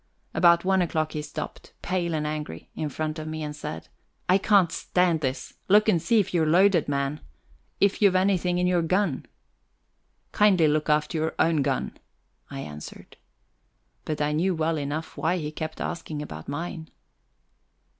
About one o'clock he stopped, pale and angry, in front of me, and said: "I can't stand this! Look and see if you're loaded, man if you've anything in your gun." "Kindly look after your own gun," I answered. But I knew well enough why he kept asking about mine.